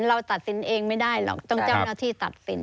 เราตัดสินเองไม่ได้หรอกต้องเจ้าหน้าที่ตัดสิน